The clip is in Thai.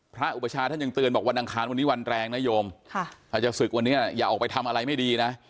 อุปชาท่านยังเตือนบอกวันอังคารวันนี้วันแรงนะโยมถ้าจะศึกวันนี้อย่าออกไปทำอะไรไม่ดีนะ